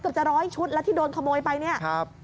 เกือบจะร้อยชุดแล้วที่โดนขโมยไปเนี่ย